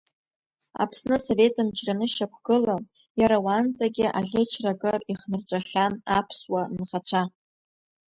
Аԥсны Асовет мчра анышьақәгыла, иара уанӡагьы аӷьычра акыр ихнарҵәахьан аԥсуа нхацәа.